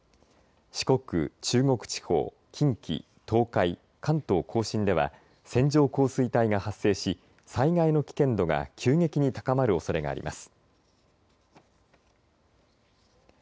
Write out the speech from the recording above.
四国、中国地方、近畿、東海関東甲信では線状降水帯が発生し災害の危険度が急激に高まるおそれがあります。